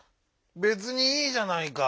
べつにいいじゃないか！